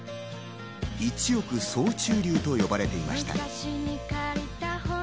一億総中流と呼ばれていました。